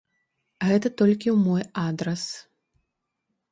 Гэта толькі ў мой адрас.